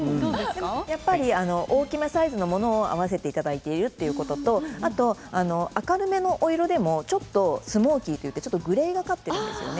やっぱり大きめサイズのものを合わせていただいているということと明るめのお色みでも、ちょっとスモーキーですよね。